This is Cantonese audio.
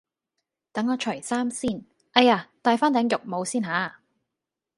等我除衫先，哎呀戴返頂浴帽先吓